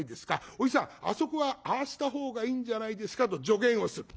おじさんあそこはああしたほうがいいんじゃないですか」と助言をする。